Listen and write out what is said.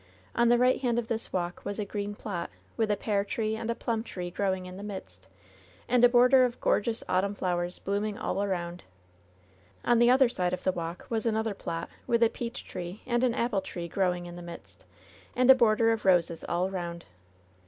On the right hand of this walk was a green plot, with a pear tree and a plum tree growing in the midst, and a border of gor geous autumn flowers blooming all around. On the otiier side of the walk was another plot with a peach tree and an apple tree growing in the midst, and a border of LOVE'S BITTEREST CUP 87 roses all around.